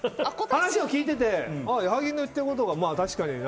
話を聞いてて矢作の言ってることが、確かに。